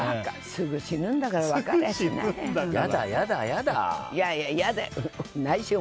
すぐ死ぬんだから分かりゃしないよ。